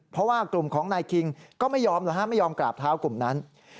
เพราะว่ากลุ่มของนายคิงก็ไม่ยอมกราบเท้ากลุ่มนั้น